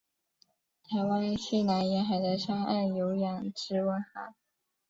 台湾西南沿海的沙岸有养殖文蛤。